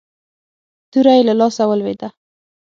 توره يې له لاسه ولوېده.